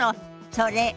それ。